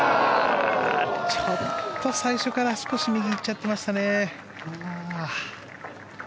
ちょっと最初から右に行っちゃってましたね。